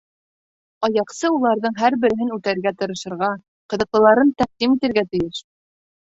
Аяҡсы уларҙың һәр береһен үтәргә тырышырға, ҡыҙыҡлыларын тәҡдим итергә тейеш.